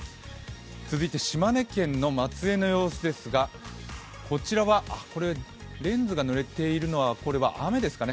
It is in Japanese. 続いて島根県の松江の様子ですがこちらは、レンズがぬれているのは雨ですかね